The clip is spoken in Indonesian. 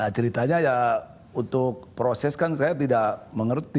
ceritanya ya untuk proses kan saya tidak mengerti